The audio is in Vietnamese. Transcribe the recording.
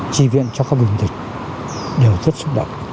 chi viện cho các bình dịch đều rất xúc động